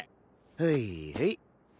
はいはい。